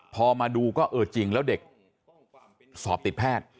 พอมาดูก็เออจริงแล้วเด็กสอบติดแพทย์